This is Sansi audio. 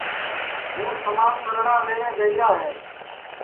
ہوں سمان سَرڑا لئٹؔے جائیرا ہے